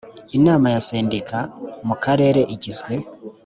inama ya sendika mu karere igizwe